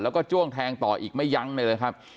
แล้วก็จ้วงแทงต่ออีกไม่ยั้งเลยนะครับ